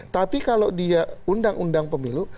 tapi kalau dia undang undang pemilu